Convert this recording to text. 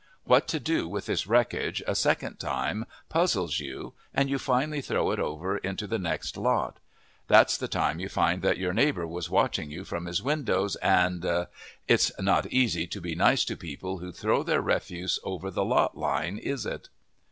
What to do with this wreckage a second time puzzles you, and you finally throw it over into the next lot. That's the time you find that your neighbor was watching you from his windows, and it's not easy to be nice to people who throw their refuse over the lot line, is it?